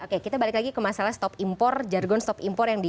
oke kita balik lagi ke masalah stop impor jargon stop impor yang di